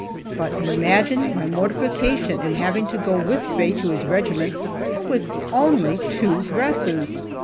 But imagine my mortification in having to go with Faye to his regiment, with only two dresses.